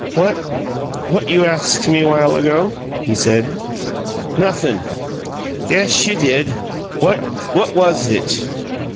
"What what you ask me while ago?" he said. "Nothin'." "Yes, you did. What what was it?"